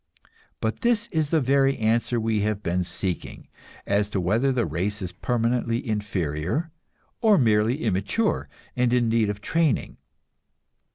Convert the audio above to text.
But this is the very answer we have been seeking as to whether the race is permanently inferior, or merely immature and in need of training.